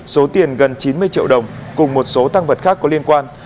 số tiền gần chín mươi triệu đồng cùng một số tăng vật khác có liên quan